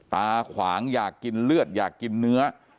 ตาขวางอยากกินเลือดอยากกินเนื้อ